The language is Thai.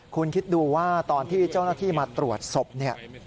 คุณคิดดูว่าตอนที่เจ้าหน้าที่มาตรวจศพเนี่ย